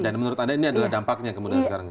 dan menurut anda ini adalah dampaknya kemudian sekarang